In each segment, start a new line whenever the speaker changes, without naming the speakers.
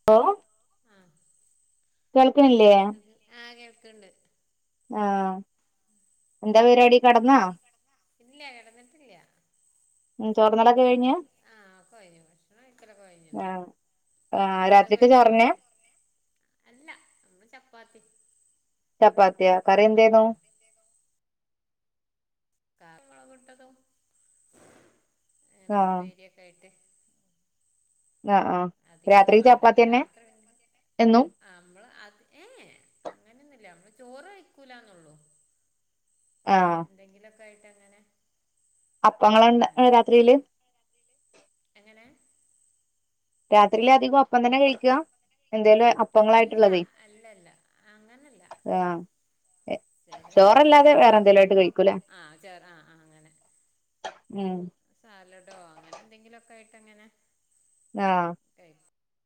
[unintelligible]
ആഹ്
കേൾക്ക്ണില്ലേ
അത് ആ കേൾക്കണ്ട്
ആഹ് എന്താ പരിപാടി കെടന്നാ
എന്തേടീ കെടന്നോ ഇല്ല കെടന്നിട്ടില്ല
ഉം ചോറ്ന്നല
ആഹ് ഒക്കെ കഴിഞ്ഞു ഭക്ഷണം കഴിക്കലൊക്കെ കഴിഞ്ഞ്ണ്‌
ആഹ് ആഹ്
അവിട്ത്തൊക്കെ
രാത്രിക്ക്
കഴിഞ്ഞോ
ചോറന്നെ
അല്ല ഇന്ന് ചപ്പാത്തി
ചപ്പാത്തിയോ കറി
ആഹ്
എന്തേന്നു
ആഹ് [unintelligible] വിട്ടതും അങ്ങനെ
ആഹ്
ഉപ്പേരിയൊക്കെ ആയിട്ട്
ആഹ് ആഹ്
അധികം ഒന്നും
രാത്രിക്ക്
വേണ്ടല്ലോ
ചപ്പാത്തി തന്നെ
രാത്രി പിന്നെ
എന്നും
നമ്മള് അത് ഏഹ് അങ്ങനെയൊന്നുമില്ല നമ്മള് ചോറ് കഴിക്കൂലന്നുള്ളു
ആഹ്
എന്തെങ്കിലൊക്കെ ആയിട്ട് അങ്ങനെ
അപ്പോങ്ങളണ്ട് ആഹ്
കഴിക്കും
രാത്രിയില്
എങ്ങനെ
രാത്രിയിലധികം
അല്ല
അപ്പങ്ങളായിട്ടുള്ളതേ
അല്ലല്ല അങ്ങനല്ല
ആഹ്
ചെല നേരത്ത്
ചോറല്ലാതെ വേറെ
ചപ്പാത്തി
എന്തേലും ആയിട്ട് കഴിക്കൂലേ
ഉണ്ടാക്കും ആഹ് ചോർ ആഹ് ആഹ് അങ്ങനെ
ഉം
സാലഡോ അങ്ങനെ എന്തെങ്കിലും ഒക്കെ ആയിട്ട് അങ്ങനെ
ആഹ്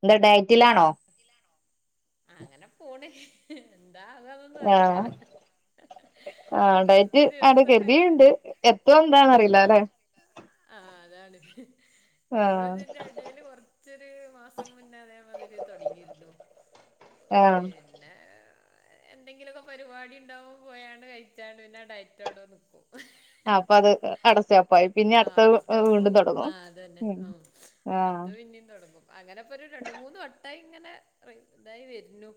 എന്താ ഡയറ്റിലാണോ
ആഹ് അങ്ങനെ പോണ് എന്താ ആകുവാ എന്ന് ഒന്നും അറിയില്ല
ആഹ് ആഹ് ഡയറ്റ്
കൊറച്ച്
അങ്ങനെ
ദിവസൊക്കെ
കരുതിയിണ്ട് എത്തുവോ എന്താന്ന്റിയില്ല രണ്ട
ആഹ് അതാണ് നമ്മള്
ആഹ്
ഇതിന്റെ ഇടയില് കുറച്ചൊരു മാസം മുന്നേ അതേ മാതിരി തുടങ്ങിയിരുന്നു
ആഹ്
പിന്നെ എന്തെങ്കിലുമൊക്കെ പരിപാടി ഉണ്ടാവോ പോയാണ് കഴിച്ചാണ് പിന്നെ ഡയറ്റോവിടെ നിക്കും
അപ്പൊ അത് അടസ്റ്റോപ്പായി പിന്നെ
ആഹ്
അടുത്ത
അവിടെ സ്റ്റോപ്പ്
വീണ്ടും
ആവും
തുടങ്ങും
അതന്നെ ഉം
ആഹ്
അത് പിന്നെയും തുടങ്ങും അങ്ങനെ ഇപ്പൊ ഒരു രണ്ട് മൂന്ന് വട്ടമായി ഇങ്ങനെ ഇതായി വരുന്നു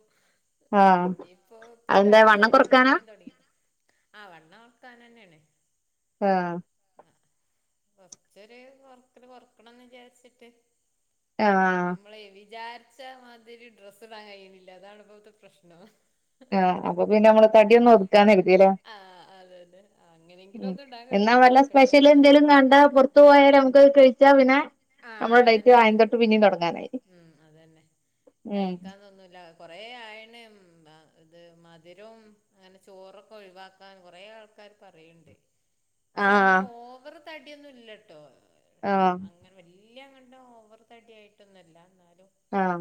ആഹ്
ഇനിയിപ്പോ ഇപ്പൊ
അതെന്താ
ഒരാഴ്ച
വണ്ണം
ആയിട്ടള്ളൂ
കുറക്കാനാ
പിന്നിം തുടങ്ങിട്ട് ആഹ് വണ്ണം വെക്കാൻ തന്നെ ആണ്
ആഹ്
അഹ് കൊറച്ചൊരു കൊറക്കല് കൊറക്കണംന്ന് വിചാരിച്ചിട്ട്
ആഹ്
നമ്മള് വിചാരിച്ച മാതിരി ഡ്രസ്സ് ഇടാൻ കയ്യ്ണില്ല അതാണ് ഇപ്പോളത്തെ പ്രശ്നം
ആഹ് അപ്പൊ പിന്നെമ്മള് തടിഒന്ന് ഒതുക്കാന്നരുതിലെ
ആ അതെ അതെ അങ്ങനെങ്കിലും
ഉം
ഒന്ന് ഇടാൻ
എന്നാ
കഴിയുമോ
വല്ല
നോക്കട്ടെ
സ്പെഷ്യല് എന്തേലും കണ്ടാ പൊറത്ത് പോയാല് നമുക്ക് അത് കഴിച്ചാ പിന്നെ
ആഹ്
നമ്മളെ ഡയറ്റ്
അതന്നെ അഹ്
ആദ്യം തൊട്ട് പിന്നെയും
ഉം
തുടങ്ങാനായി
ഉം അതന്നെ
ഉം
കഴിക്കാൻതോന്നൂല കൊറേ ആയിണ് ത് മധുരോം അങ്ങനെ ചോറൊക്കെ ഒഴിവാക്കാൻ കൊറേ ആൾക്കാർ പറയ്ണ്ട് ക്ഷെ അങ്ങനെ
ആഹ്
ഓവറ് തടിയൊന്നും ഇല്ലട്ടോ
ആഹ്
അങ്ങനെ വല്യങ്ങട്ട് ഓവർ തടി ആയിട്ടൊന്നൂല്ല എന്നാലും
ആഹ്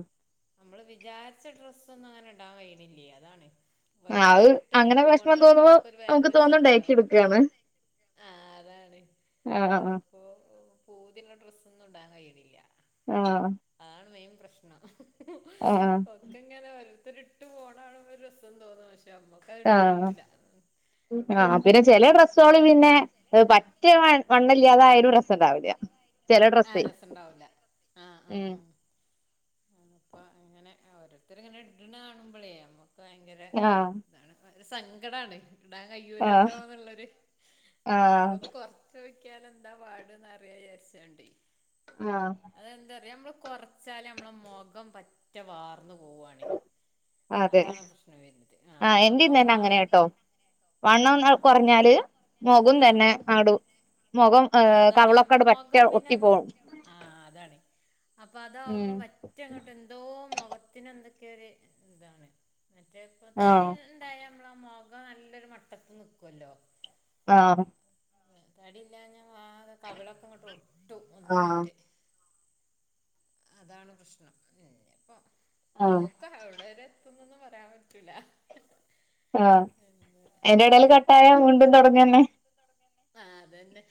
നമ്മള് വിചാരിച്ച ഡ്രസ്സൊന്നും അങ്ങനെ ഇടാൻ കയ്യ്‌ണില്ലേ അതാണ്
ആഹ് അത്
ഓരോരുത്തര് ഇട്ടങ്ങനെ
അങ്ങനെ
പോണ
വിഷമം
കാണുമ്പം
തോന്നുമ്പോ
നമ്മക്കൊരു വേറെ
നമുക്ക് തോന്നും
രസാണല്ലോ
ഡയറ്റ് എടുക്കാണ്
ആഹ് അതാണ്
ആഹ് ആഹ്
അപ്പൊ പൂതിയുള്ള ഡ്രസ്സൊന്നും ഇടാൻ കയ്യ്‌ണില്ല
ആഹ്
അതാണ് മെയിൻ പ്രശ്നം
ആഹ്
ഇത് ഇങ്ങനെ ഓരോരുത്തിരിട്ട് പോണ കാണുമ്പോ ഒരു രസം തോന്നു പക്ഷെ നമ്മക്ക് ഇടാൻ
ആഹ്
കയ്യണില്ല
ആഹ് പിന്നെ ചെലേ ഡ്രസ്സോകള് പിന്നെ അഹ് പറ്റെ വണ്ണവില്ലാതായലും രസോണ്ടാവില്ല ചെല
ആ
ഡ്രസ്സേ
രസം ഉണ്ടാവൂല ആഹ്
ഉം
ആഹ് ആഹ് അപ്പൊ അങ്ങനെ ഓരോരുത്തര് ഇങ്ങനെ ഇടണ കാണുമ്പോളേ നമ്മുക്ക് ഭയങ്കര
ആഹ്
അതാണ് ഒരു സങ്കടാണ് ഇടാൻ
ആഹ്
കയ്യൂലല്ലോന്ന്ള്ളൊര് അപ്പൊ
ആഹ്
അത് കൊർ ചോയ്ക്കാനെന്താ പാട്ന്നറിയാര്ചാണ്ടെ
ആഹ്
അതെന്താറിയ നമ്മൾ കൊറച്ചാല് നമ്മളെ മൊഖം പറ്റ വാർന്ന്പോവാണി
ആഹ് അതെ
ആ
ആഹ് എന്റിം
അപ്പം
ഇന്ന്ന്നെ
നമ്മളാ
അങ്ങനെട്ടോ
ആ
വണ്ണം
ആ
ഒന്ന് കുറഞ്ഞാല് മൊഖുതന്നെ അങ്ങട് മുഖം
ആഹ്
ഏഹ്
അതാണ് ഞാ
കവളൊക്കെട് പറ്റെ
മൊഖം
ഒട്ടി
പിന്നമ്മക്ക്
പോവും
ആഹ് അതാണ് അപ്പൊ അതാവുമ്പോ മറ്റ് റ്റങ്ങട്ട് എന്തോ മൊഖത്തിന് എന്തൊക്കെര് ഇതാണ് മറ്റേപ്പ തടി
ആഹ്
ഇണ്ടായ മ്മള മൊഖം നല്ലൊരു മട്ടത്ത് നിക്കുവല്ലോ
ആഹ്
തടില്ലാഞാ ആകെ കവിളൊക്കെങ്ങട്ട് ഒട്ടും
ആഹ്
ഒന്നായിട്ട് അതാണ് പ്രശ്നം പിന്നെപ്പൊ
ആഹ്
നോക്ക എവ്ടെവരെ എത്തുംന്നൊന്നു പറയാൻ പറ്റൂല
ആഹ് അയിന്റെടേല് കട്ടായ വീണ്ടും തൊടങ്ങന്നെ
തൊട്ങ്ങന്നെ ആഹ് അതന്നെ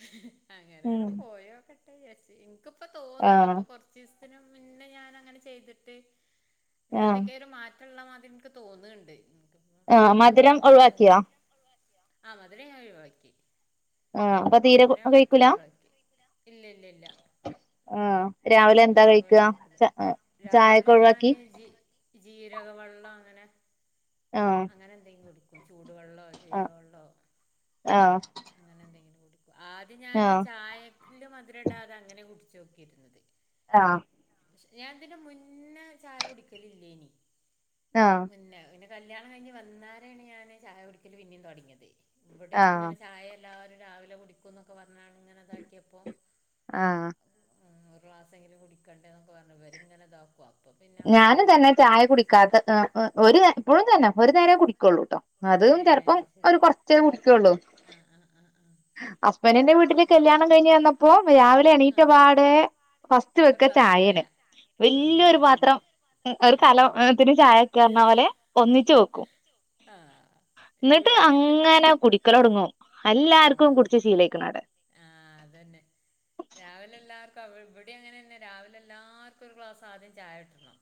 ഉം
അങ്ങനെങ്ങനെ പോയോക്കട്ടെയാര്ച്ച് ഇൻ ക്ക്പ്പ തോന്നട്ട
ആഹ്
പ്പൊ കൊറചീസ്ത്തിനും മുന്നെ ഞാൻ അങ്ങനെ ചെയ്തിട്ട്
ആഹ്
ഇൻകെന്തെ ലും മാറ്റള്ള മാതിരി ഇൻക്ക് തോന്ന്ണ്ട്
ആഹ്
അപ്പൊ
മധുരം
ഇൻക്ക്ങ്ങെനെ തോന്ന
ഒഴിവാക്കിയോ
മധുരം ഒഴിവാക്കിയൊ ആഹ് മധുരം ഞാൻ ഒഴിവാക്കി
ആഹ് അപ്പൊ തീരെ
മധുരം പറ്റ
കഴിക്കൂല
ഒഴിവാക്കി കഴിക്കുന്നില്ല ഇല്ല ല്ല ല്ല
ആഹ് രാവിലെ എന്താ
അപ്പൊയ്
കഴിക്കുക
വാക്കില്ല
ച ചായൊക്കെ
രാവിലെ
ഒഴിവാക്കി
ഞാന് ജീ ജീരക വെള്ളം അങ്ങനെ
ആഹ്
അങ്ങനെ എന്തെങ്കി കുടിക്കും ചൂട് വെള്ളൊ
ആഹ്
ജീരകവെള്ളോ
ആഹ്
അങ്ങനെ എന്തെങ്കിലും കുടിക്കും ആദ്യം ഞാന് ചായക്ക്ല് മധുരിടാതെ അങ്ങനെ കുടിച്ചോക്കിയിരുന്നത്
ആഹ്
ക്ഷെ ഞാൻ ഇതിന്റെ മുന്നെ ചായ കുടിക്കലില്ലേനി.
ആഹ്
പിന്നെ പിന്ന കല്യാണം കഴിഞ്ഞ് വന്നാരേണ് ഞാന് ചായ കുടിക്കല് പിന്നിം തുടങ്ങിയത് ഇവിടെയൊക്കെ
ആഹ്
ഇങ്ങനെ ചായ എല്ലാരും രാവിലെ കുടിക്കും ന്നൊക്കെ പറഞ്ഞാണ്ട് ഇങ്ങനെ ഇതാക്കിയപ്പോ
ആഹ്
ഉം ഒരു ക്ലാസങ്കിലും കുടിക്കണ്ടേ ന്നൊക്കെ പറഞ്ഞ് ഇവര് ഇങ്ങനെ ഇതാക്കുവാ
ഞാനും തന്നെ ചായ കുടിക്കാത്ത ങ് ങ് ഒരു ഇപ്പളും തന്നെ ഒരു നേരം കുടിക്കൊള്ളുട്ടോ അതും ചെലപ്പം ഒരു കുറച്ചേ കുടിക്കൊള്ളു
ആഹ് ആഹ് ആഹ് ആഹ്
അപ്പനന്റെ വീട്ടില് കല്യാണം കഴിഞ്ഞ് ചെന്നപ്പോ രാവിലെ
ആ
എണീറ്റപാടെ ഫസ്റ്റ്
ഒരു
വെക്ക
ഗ്ലാസ് ചായ
ചായേണ്
ഉം
വല്ല്യരു
അതന്നെ
പാത്രം
ആ
ഒരു
ആ
കലൊത്തിന് ചായ ക്കെന്നാവലെ ഒന്നിച്ചു വെക്കും
ആ
ന്നിട്ട്
ഇവിടെ തന്നെയാണ്
അങ്ങനെ കുടിക്കലൊടങ്ങും എല്ലാർ
ഉം
ശീലയ്ക്ക്ണവടെ
ആഹ് അതന്നെ രാവിലെ എല്ലാവർക്കും അവ് ഇവിടെ അങ്ങനെന്നേ രാവിലെ എല്ലാർക്കും ഒരു ക്ലാസ് ആദ്യം ചായ കിട്ടണം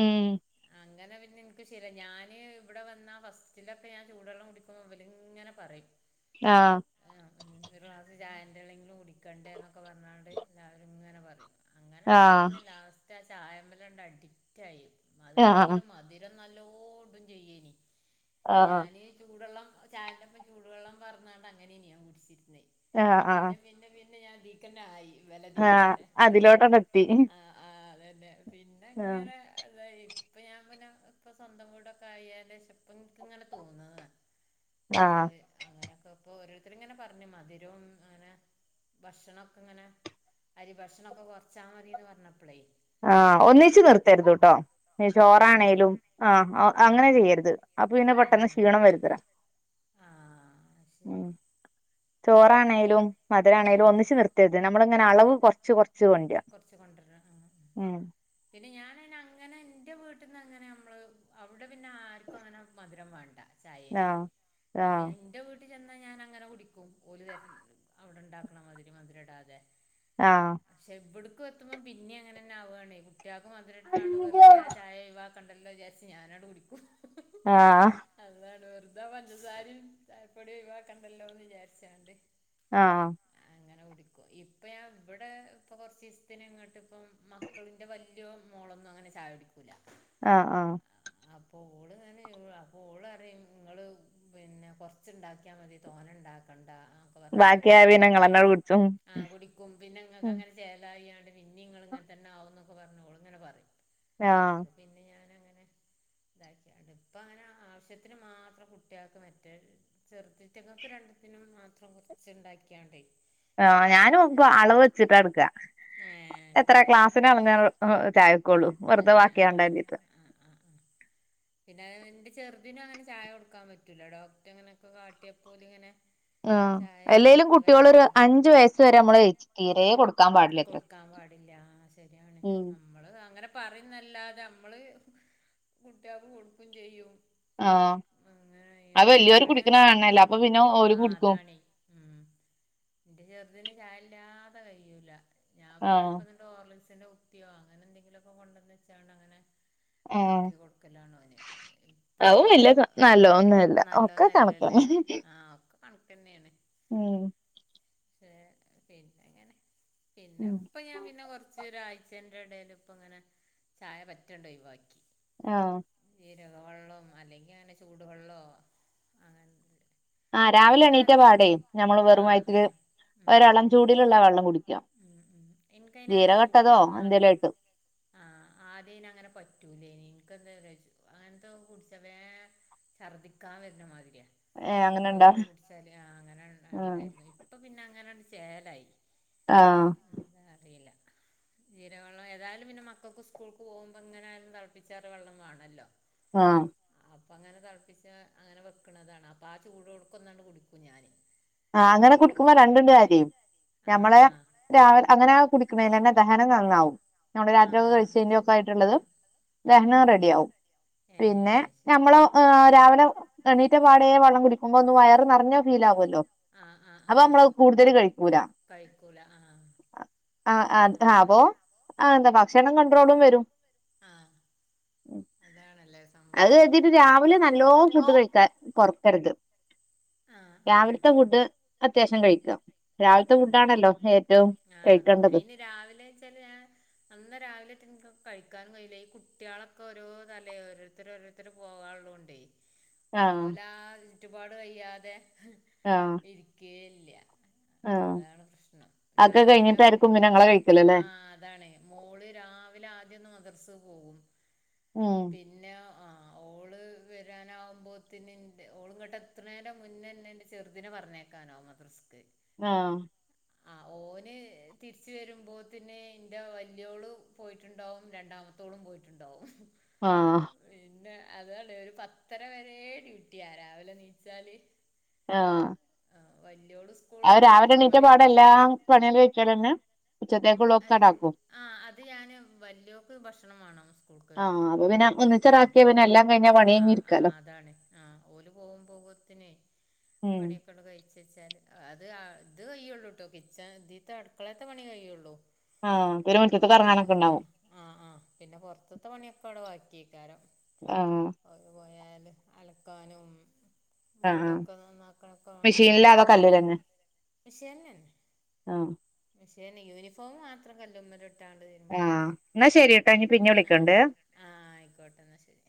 ഉം
അങ്ങനെ പിന്നെ ഇൻക്ക് ശിരായ് ഞാന് ഇവടെ വന്നാ ഫസ്റ്റിലൊക്കെ ഞാൻ ചൂടൊള്ളം കുടികു ഇവല്ങ്ങനെ പറയും
ആഹ്
ആ ഒര്ളാസ് ചായന്റെള്ളെങ്കിലും കുടിക്കണ്ടേ ന്നൊക്കെ പറഞ്ഞാണ്ട് എല്ലാവരും ഇങ്ങനെ പറ്യും അങ്ങനായി
ആഹ്
പിന്നെ ലാസ്റ്റ് ആ ചായമ്മലണ്ട് അഡിക്റ്റ് ആയി
ആഹ്
അതാണെങ്കിലും മതി ജന്നല്ലോടും ചെയ്യേനി
ആഹ്
ഞാനീ ചൂടള്ളം ചായെന്റൊപ്പം ചൂടുവെള്ളം പാർന്നാണ്ടങ്ങനേനി ഞാൻ കുടിച്ചിരിന്നേ
ആഹ് ആഹ്
പിന്നെ എ പിന്നെ പിന്നെ ഞാൻ ഇതീക്കന്നേ ആയി ഇവല
ആഹ്
ഇതീക്കന്നെ
അതിലോട്ടണ്ട് എത്തി
ആഹ് ആ അതന്നേ പിന്നെങ്ങനെ താ ഇപ്പ ഞാൻ പിന്നേ ഇപ്പം സ്വന്തം വീടൊക്കെ ആയേന്റെശം ഇപ്പം ഇൻക്ക് ഇങ്ങനെ തോന്നാണ്
ആഹ്
അമ്മള് അങ്ങനെയൊക്കെ ഇപ്പൊ ഓരോരുത്തര്ങ്ങനെ പറഞ്ഞു മധിര്വം അങ്ങനെ ഭക്ഷണൊക്കെ ഇങ്ങനെ അരി ഭക്ഷണൊക്കെ കൊറ്ച്ചാ മതീന്ന് പറഞ്ഞപ്പളേ
ആഹ് ഒന്നിച്ച് നിർത്തരുത് ട്ടോ
തന്നെ
ചോറാണേലും ആഹ് ആഹ് അങ്ങനെ ചെയ്യരുത്. അപ്പൊ പിന്നെ പെട്ടെന്ന്
ഏഹ്
ക്ഷീണം വരുത്തരാ
ആഹ് ശെരി
ഉം ചോറാണേലും മധ്
ആഹ്
രാണേലും
ആഹ്
ഒന്നിച്ച് നിർത്തരുത്. നമ്മള് ഇങ്ങനെ അളവ് കൊറ്ച്ച് കൊറ
കൊറ്ച്ച് കൊണ്ടര്ന്ന ആഹ് പിന്നെ ഞാന് അയിന അങ്ങനെ എന്റെ വീട്ടിന്നങ്ങനെ അമ്മള് അവുടെ പിന്നെ ആർക്കും അങ്ങനെ മധുരം വാണ്ട ചായേലെ
ആഹ്
അപ്പ
ആഹ്
ഞാൻ ഇന്റെ വീ ട്ട്ക് ചെന്നാ ഞാൻ അങ്ങനെ കുടിക്കും. ഓല്തെര് അവിടെ ഇണ്ടാക്ക്ണമാതിരി മതിര ഇടാതെ
ആഹ്
ക്ഷെ ഇവെട്ക്കു എത്തുമ്പം പിന്നി അങ്ങനന്ന ആവാണ് കുട്ട്യേക്ക് മതിര ഇട്ടാണ്ട് വെറ്തെ ആ ചായഒഴിവാ ക്കണ്ടല്ലോ വിചാര്ച്ച് ഞാനണ്ട് കുടിക്കും
ആഹ്
അതാണ് വെറുതെ ആ പഞ്ചസാരിം ചായപ്പൊടി ഒഴിവാക്കണ്ടല്ലോന്ന് വിചാരിച്ചാണ്ട്
ആഹ്
അങ്ങനെ കുടിക്കും. ഇപ്പഞാൻ ഇ ബടെ ഇപ്പ കൊറ്ച്ചീസ്ത്തിന് ഇങ്ങട്ട് ഇപ്പം മക്കളിന്റെ വ ല്ല്യോൺ മോളൊന്നും അങ്ങനെ ചായ കുടിക്കൂല
ആഹ് അഹ്
അപ്പൊ ഓള് ഇങ്ങനെ അപ്പൊ ഓളറിം ഇങ്ങള് പിന്നെ കൊ ച്ച് ഇണ്ടാക്കിയാ മതി. തോന ഇണ്ടാക്കണ്ട ആഹ്
ബാക്കിയായ പിന്നെ ഇങ്ങളെന്നെ കുട്ച്ചും
ആഹ് കുടിക്കും. പിന്നെഇങ്ങക്ക് അങ്ങനെ ചേലയാണ്ട് പിന്നിംഇങ്ങള് ഇങ്ങൻ തന്നെ ആവുംന്നൊക്കെ പറഞ്ഞോള് ഇങ്ങനെ പറിം
ആഹ്
അപ്പം പിന്നെ ഞാനു അങ്ങനെ ഇതാക്ക്യാണ്ട് ഇപ്പ അങ്ങനെ ആവശ്യത്തിന് മാത്രം കുട്ട്യേക്ക് മറ്റേ.. ചെറ്തീറ്റ്ങ്ങക്ക്ങ്ങ രണ്ടത്തിനും മാത്രം കൊറ്ച്ച് ഇണ്ടാക്ക്യാണ്ട്.
ആഹ് ഞാനു അളവ് വെച്ചിട്ട ഇട്ക്ക
ഏഹ്
എത്ര
ശരി
ക്ലാസ്സിന അള്ന്ന ചായ.
അങ്ങനെ ആഹ് അഹ് അഹ് അഹ് അഹ്. പിന്നെ എന്റെ ചെറുതിനും അങ്ങനെ ചായ കൊടുക്കാൻ പറ്റൂല, ഡോക്ടർ അങ്ങന ഒക്കെ കാട്ട്യേപ്പോ ഓല് ഇങ്ങനെ.
ആ
ചായ
എല്ലേലും
അപ്പതായി
കുട്ടികള് ഒരു
കൊടുക്കണ്ട
അഞ്ചു വയസ് വരെ അമ്മള് തീരെ കൊടുക്കാൻ പാടില്ല.
കൊടുക്കാൻ പാടില്ല ശെരിയാണ് ആഹ്. നമ്മള് അങ്ങനെ പറയുന്നല്ലാതെ അമ്മള് കുട്ട്യേൾക്ക് കൊടുക്കും ചെയ്യും.
ആഹ്
അങ്ങനെ
അത്
അയ്യോണ്ട്
വല്യോരു
ഇവിടെ
കുടിക്ക്ണ കാണണല്ലേ, അപ്പൊ പിന്നെ
ആ
ഓരും കുടിക്കും.
അതാണ് ഉം ഇന്റെ ചെറുത് ന് ഞ ഇല്ലാതെ കയൂല ഞാപ്പ ചെല്
ആഹ്
ഇപോ ഓർലിക്സിന്റെ കുത്തിയോ അങ്ങനെ എന്തെങ്കിലൊക്കെ കൊണ്ടന്നെച്ചാണ്ട് അങ്ങനെ.
ആഹ്
കൽക്കി കൊടുക്കലാണ് ഓന് ഇപ്പൊ
അതും വല്യ നല്ലോന്നുല്ല ഒക്കെ കണക്കാണ്
നല്ലോന്നല്ലല്ലേ? ആഹ് ഒക്കെ കണക്കെന്നേണ്.
ഉം.
പിന്നെങ്ങനെ പിന്നെ
ഉം
ഇപ്പ ഞാൻ പിന്നെ കൊറ്ച്ച് ഒരാഴ് അച്ചന്റെ എടേല് ഇപ്പ ഇങ്ങനെ ചായ പറ്റെണ്ടൊയിവാക്കി.
ഓഹ്.
ജീരക വെള്ളം അല്ലെങ്കി അങ്ങനെ ചൂട് വെള്ളോ? അങ്ങനെ.
ആഹ്
മറ്റേ
രാവിലെ
എനിക്ക്
എണീറ്റ
ആദ്യം
പാടെ ഞമ്മള്
ആ
വെറും വയറ്റില്
അതാണ് ഉം
ഒരെളം ചൂട്ലുള്ള വള്ളം കുടിക്കു
ഉം ഉ എൻക്കയിന് അങ്ങനെ ചൂടള്ളം ഒന്നു ആദ്യം.
എന്തേലും ആയിട്ട്
ആഹ് ആഹ് ആദ്യയിന അങ്ങനെ പറ്റൂലേനി, ഇന്കെന്തറിയെച്ച്. അങ്ങൻ ത്തൊ കുട്ച്ച വേ ഛർദ്ദിക്കാ വര്ന്നമാതിര്യ
ഏഹ്
ചൂടുവെള്ള
അങ്ങനെണ്ടാ
ഒക്കെ കുടിച്ചാല് ആഹ് അങ്ങനെ
ആഹ്
ഇണ്ടായിരുന്നു, ഇപ്പൊ പിന്നെ അങ്ങനെണ്ട് ചേലായി.
ആഹ്
എന്താ അറിയില്ല. ജീരക വെള്ളം ഏതായാലും പിന്നെ മക്കൾക്ക് സ്കൂൾക്ക് പോകുമ്പോ എങ്ങനൊയാലും തിളപ്പിച്ചാറിയ വെള്ളം വേണല്ലോ.
ആഹ്‌
അപ്പങ്ങനെ തിളപ്പിച്ച അങ്ങനെ വെക്കണതാണ് അപ്പൊ ആ ചൂടോട്ക ഒന്നാണ്ട് കുടിക്കും ഞാന്
ആഹ്‌ അങ്ങനെ കുടിക്കുമ്പോ രണ്ടുണ്ട് കാര്യം
ആഹ്
ഞമ്മളെ
ആഹ്
രാവി അങ്ങനെ കുടിക്കണേലന്നെ ദഹനം നന്നാവും. നമ്മള് രാത്രിയൊക്കെ
ആഹ്
കഴിച്ചതിന്റെക്ക
ശരി
ആയിട്ടുള്ളത്
ആഹ് ആഹ്
ദഹനം
ആഹ്
റെഡിയാവും പിന്നെ
ഏഹ് ശരി
ഞമ്മള് രാവിലെ എണീറ്റ പാടെ വള്ളം കുടിക്കുമ്പോ ഒന്ന് വയറ് നിറഞ്ഞ ഫീല് ആവല്ലോ?
ആഹ്‌ ആഹ്‌ ആഹ്‌
കൂടുതൽ കഴിക്
കഴിക്കൂല ആഹ്
ആഹ്‌ അ
അതാണ്
അപ്പൊ ആ എന്താ ഭക്ഷണം കണ്ട്രോളും വരും.
ആഹ് അതാണല്ലേ
അത്
സംഭവം
കര്തിട്ട് രാവിലെ നല്ലോ ഫുഡ് കഴിക്കാ കൊറക്കരുത്.
ആഹ് ആഹ്
രാവിൽത്തെ ഫുഡ് അത്യാവശ്യം കഴിക്ക
കഴിക്കും
രാവിലത്തെ
ആഹ്
ഫുഡാണല്ലോ ഏറ്റവും
ആഹ് അതന്നെ
കഴിക്കേണ്ടത്.
അയിന് രാവിലെ വെച്ചാല് ഞാൻ നന്ന രാവിലെറ്റ് എനിക്ക് കഴിക്കാനും കഴിയില്ല ഈ കുട്ടികളൊക്കെ ഓരോ തലേ ഓരോരുത്തരോരു ത്തൊരു പോകള്ളോണ്ടേ
ആഹ്
ഓലെ ആ ചുറ്റുപാട് കയ്യാതെ
ആഹ്‌
ഇരിക്കേല്ല അതാണ് പ്രശ്നം,
അതൊക്കെ
രാവിലെ
കഴിഞ്ഞിട്ടായിരിക്കും
ആവുമ്പം
പിന്നെ ഇങ്ങളെ കഴിക്കല് ല്ലേ
ആഹ് അതാണെയ് മോള് രാവിലെ ആദ്യഒന്ന് മദർസ പോവും
ഉം.
പിന്നെ ആഹ്‌ ഓള് വരാനാവുമ്പോത്ത്ന് ന്റെ ഓള് ഇങ്ങോട്ട് എത്ത്ണീന്റ മുന്നന്നെ ചെറുതിന പറഞ്ഞഴക്കാനാവും മദ്രസ്ക്.
ആഹ്‌
ആഹ്‌ ഓന് തിരിച്ച് വരുമ്പോത്തിന് ൻ്റെ വലിയോള് പോയിട്ടുണ്ടാവും രണ്ടാമ ത്തോളം പോയിട്ടുണ്ടാവും
ആഹ്‌
പിന്നെ അതാണേയ് ഒരു പത്തര വരെ ഡ്യൂട്ടിയ രാവിലെ നീച്ചാല്
ആഹ്‌
ആഹ്‌ വല്യോള്
അഹ്‌
സ്കൂൾക്ക്
രാവിലെ
എട്ട്
എണ്ണീറ്റ പാടെ
മണിയാകുമ്പോത്തിന്
എല്ലാം
പോകും
പണിയാള് കഴിച്ചലന്നെ
ആഹ്‌ അത് ഞാന് വല്യോൾക്ക് ഭക്ഷണം വേണം സ്കൂൾക്ക്
ഓക്ക് പിന്നെ
ആഹ്‌
ഒന്നിച്ചടാക്കിയ പിന്നെ എല്ലാം കഴിഞ്ഞാ പണി
ആഹ് ആ
കഴിഞ്ഞിരിക്കാലോ
അതാണ് ആഹ്‌ ഓല് പോകുമ്പോത്തിനെയ്
ഉം
പണിയൊക്കെണ് കഴി ചേച്ചാല് അത് ഇത് കയ്യുള്ളൂ ട്ടോ കിച്ചൻ ഇതീത്തെ അടുക്കളത്തെ പണി കഴിയുള്ളൂ
ആഹ്‌ പിന്നെ മുറ്റത്ത്ക്ക്
ബാക്കിപ്പോ
എറങ്ങാനൊക്കെണ്ടാവും
ആഹ് ആഹ് ആഹ് പിന്നെ പൊറത്ത്ത്തെ പണിയൊക്കെ അവിടെ ബാക്കി അയ്ക്കാരം
ആഹ്‌
ഓല് പോയാല് അലക്കാനും
ആഹ് ആഹ്
വീടൊക്കെ നന്നാക്കണൊക്കെ വേണ്ടേ
മെഷീനിലാ അതോ കല്ലിലന്നെ
മിഷീനിലാണോ കല്ലിലാണോ മിഷീൻലെന്നെ
ആഹ്
മഷീൻ യൂണിഫോം മാത്ര കല്ല് ഒന്നിട്ട് ട്ടാണ്ട് തിരുമ്പും
ആഹ് ഇന്നാ ശരിട്ടോ
ന്നാ
ഇനി
ശെരി
പിന്നെ
ട്ടോ
വിളിക്കണ്ട്
ആഹ്‌ ആ ആയിക്കോട്ടെ എന്നാ ശരി